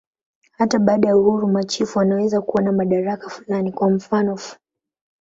Hata baada ya uhuru, machifu wanaweza kuwa na madaraka fulani, kwa mfanof.